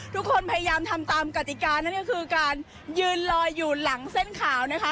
ทุกคนพยายามทำตามกติกานั่นก็คือการยืนลอยอยู่หลังเส้นขาวนะคะ